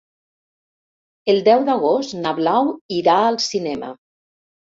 El deu d'agost na Blau irà al cinema.